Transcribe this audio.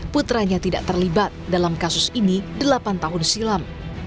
putranya tidak terlibat dalam kasus ini delapan tahun silam